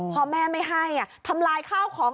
พอแม่ไม่ให้ทำลายข้าวของ